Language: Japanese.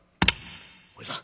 「おじさん